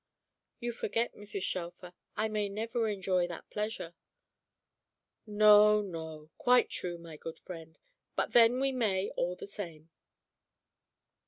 "You forget, Mrs. Shelfer, I may never enjoy that pleasure." "No, no. Quite true, my good friend. But then we may, all the same."